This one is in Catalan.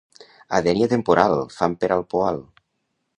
A Dénia temporal, fam per al poal.